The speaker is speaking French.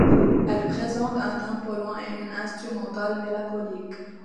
Elle présente un tempo lent et une instrumentale mélancolique.